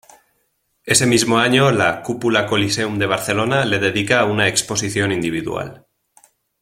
Ese mismo año, la Cúpula Coliseum de Barcelona le dedica una exposición individual.